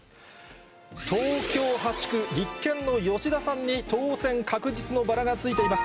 東京８区、立憲の吉田さんに当選確実のバラがついています。